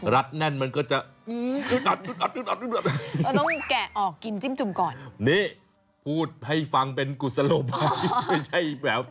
รัดแน่นมันจะกินไม่ไหว